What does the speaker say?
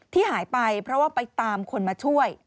ที่หายไปเพราะว่าไปตามคนมาช่วย